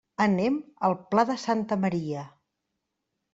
Anem al Pla de Santa Maria.